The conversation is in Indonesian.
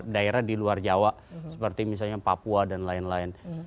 daerah di luar jawa seperti misalnya papua dan lain lain